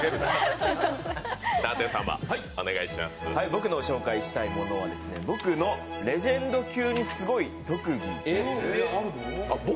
僕の紹介したいものは僕のレジェンド級にすごい特技です。